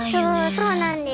そうなんです。